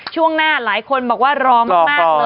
ช่วงหน้าหลายคนบอกว่ารอค่อยเท่าคน